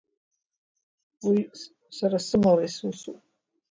Уи сара сымала исусуп.